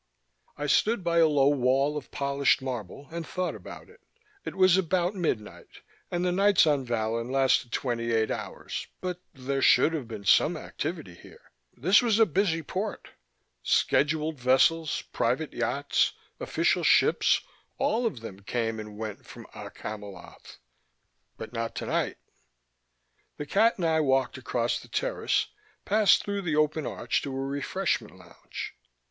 I stood by a low wall of polished marble and thought about it. It was about midnight, and the nights on Vallon lasted twenty eight hours, but there should have been some activity here. This was a busy port: scheduled vessels, private yachts, official ships, all of them came and went from Okk Hamiloth. But not tonight. The cat and I walked across the terrace, passed through the open arch to a refreshment lounge.